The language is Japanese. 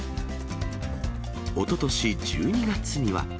おととし１２月には。